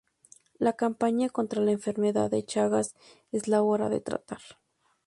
La campaña contra la enfermedad de Chagas: ¡Es la hora de tratar!